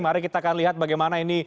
mari kita akan lihat bagaimana ini